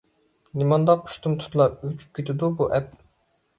نېمانداق ئۇشتۇمتۇتلا ئۆچۈپ كېتىدۇ بۇ ئەپ؟